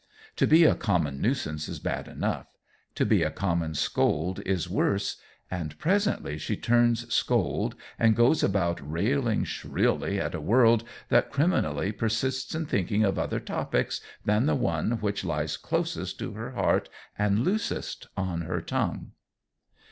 To be a common nuisance is bad enough; to be a common scold is worse, and presently she turns scold and goes about railing shrilly at a world that criminally persists in thinking of other topics than the one which lies closest to her heart and loosest on her tongue.